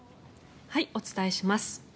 お伝えします。